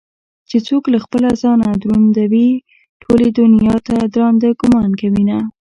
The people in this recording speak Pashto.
چې څوك له خپله ځانه دروندوي ټولې دنياته ددراندۀ ګومان كوينه